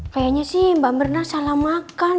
kayaknya mbak mernah salah makan